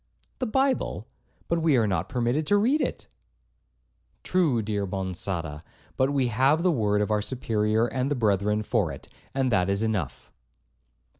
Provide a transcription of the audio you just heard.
'The Bible?—But we are not permitted to read it.' 'True, dear Monçada, but we have the word of our Superior and the brethren for it, and that is enough.'